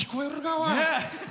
おい。